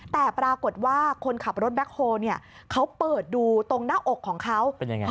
แต่ปรากฏว่าคนขับรถแบ็คโฮลเขาเปิดดูตรงหน้าอกของเขาเป็นยังไง